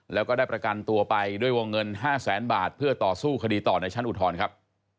แล้วก็ได้ประกันตัวไปด้วยวงเงิน๕แสนบาทเพื่อต่อสู้คดีต่อในชั้นอุทธรณ์ครับ